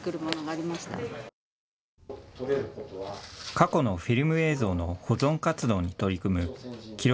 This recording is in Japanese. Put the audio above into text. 過去のフィルム映像の保存活動に取り組む記録